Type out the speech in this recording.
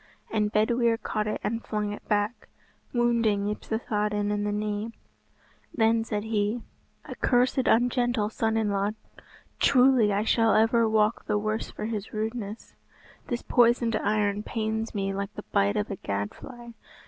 And Bedwyr caught it and flung it back, wounding Yspathaden in the knee. Then said he, "A cursed ungentle son in law, truly I shall ever walk the worse for his rudeness. This poisoned iron pains me like the bite of a gad fly.